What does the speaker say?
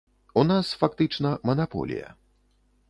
У нас, фактычна, манаполія.